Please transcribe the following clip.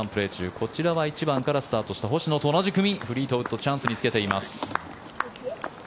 こちらは１番からスタートした星野と同じ組、フリートウッドチャンスにつけています。